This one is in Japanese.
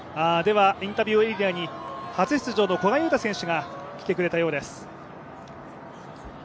インタビューエリアに初出場の古賀友太選手が来てくれたようです。